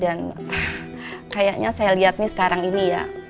dan kayaknya saya lihat nih sekarang ini ya